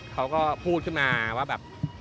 เขาก็พูดขึ้นมาว่าแบบ